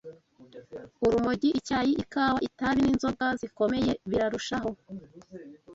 Urumogi, icyayi, ikawa, itabi, n’inzoga zikomeye birarushaho